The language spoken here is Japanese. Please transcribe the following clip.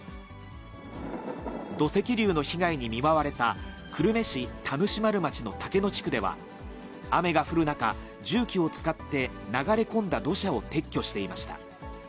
土石流の被害に見舞われた久留米市田主丸町の竹野地区では、雨が降る中、重機を使って流れ込んだ土砂を撤去していました。